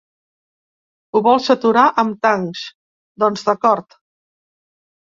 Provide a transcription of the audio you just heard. Ho vols aturar amb tancs, doncs d’acord!